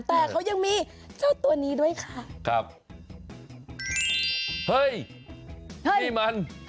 แต่เค้ายังมีเจ้าตัวนี้ด้วยค่ะ